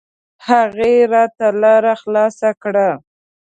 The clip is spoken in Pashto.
هغې راته لاره خلاصه کړه.